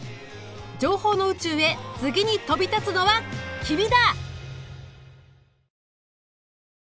情報の宇宙へ次に飛び立つのは君だ！